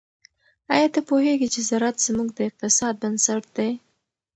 آیا ته پوهیږې چې زراعت زموږ د اقتصاد بنسټ دی؟